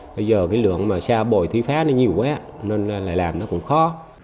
bây giờ lượng xa bầu thi phá nhiều quá nên làm nó cũng khó